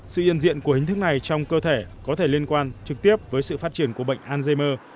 sự hiện diện của hình thức này trong cơ thể có thể liên quan trực tiếp với sự phát triển của bệnh alzheimer